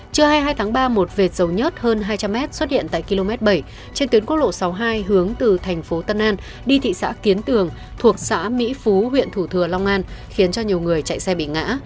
chưa hay hai tháng ba một vệt dầu nhất hơn hai trăm linh m xuất hiện tại km bảy trên tuyến quốc lộ sáu mươi hai hướng từ tp tân an đi thị xã kiến tường thuộc xã mỹ phú huyện thủ thừa long an khiến cho nhiều người chạy xe bị ngã